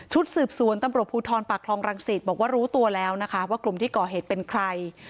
สืบสวนตำรวจภูทรปากคลองรังศิษย์บอกว่ารู้ตัวแล้วนะคะว่ากลุ่มที่ก่อเหตุเป็นใคร